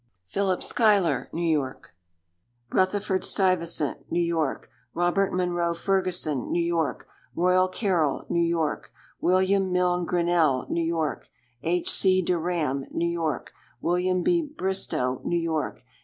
Philip Schuyler, New York. Rutherfurd Stuyvesant, New York. Robert Munro Ferguson, New York. Royal Carroll, New York. William Milne Grinnell, New York. H. C. de Rham, New York. William B. Bristow, New York.